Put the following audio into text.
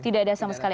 tidak ada sama sekali